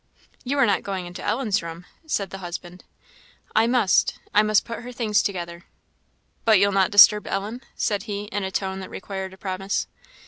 "You are not going into Ellen's room?" said the husband. "I must I must put her things together." "But you'll not disturb Ellen?" said he, in a tone that required a promise.